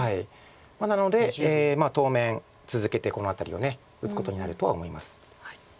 なので当面続けてこの辺りを打つことになるとは思います。